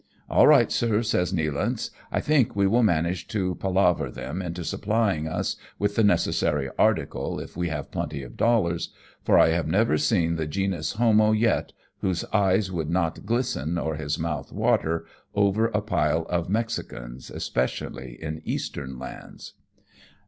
" All right, sir," says Nealance. " I think we will manage to palaver them into supplying us with the necessary article if we have plenty of dollars, for I have never seen the genus homo yet whoso eyes would i66 AMONG TYPHOONS AND PIRATE CRAFT. not glisten, or his mouth water^ over a pile of Mexicans, especially in Eastern lands."